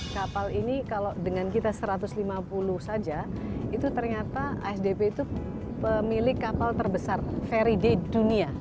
kapal ini kalau dengan kita satu ratus lima puluh saja itu ternyata asdp itu pemilik kapal terbesar ferry di dunia